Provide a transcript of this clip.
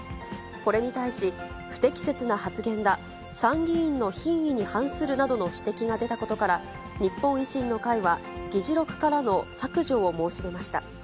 これに対し、不適切な発言だ、参議院の品位に反するなどの指摘が出たことから、日本維新の会は、議事録からの削除を申し入れました。